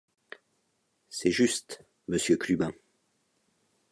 C’est juste, monsieur Clubin.